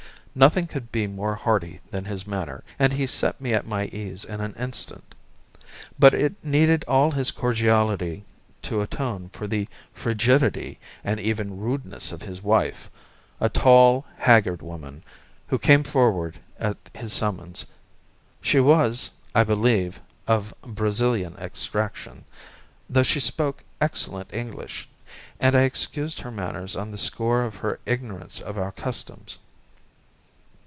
Nothing could be more hearty than his manner, and he set me at my ease in an instant. But it needed all his cordiality to atone for the frigidity and even rudeness of his wife, a tall, haggard woman, who came forward at his summons. She was, I believe, of Brazilian extraction, though she spoke excellent English, and I excused her manners on the score of her ignorance of our customs.